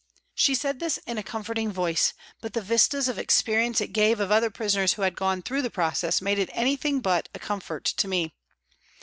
She said this in a comforting voice, but the vistas of experience it gave of other prisoners who had gone through the process made it anything but a comfort to me.